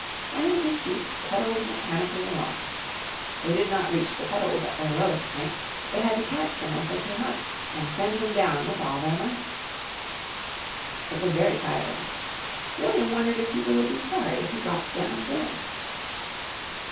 And his feet pedalled mechanically along. They did not reach the pedals at their lowest point; they had to catch them as they came up and send them down with all their might. It was very tiring; William wondered if people would be sorry if he dropped down dead.